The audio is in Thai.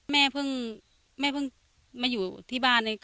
มันน่าจะปกติบ้านเรามีก้านมะยมไหม